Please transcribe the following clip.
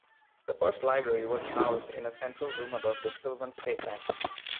The first library was housed in a central room above the Sylvan State Bank.